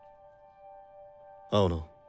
青野。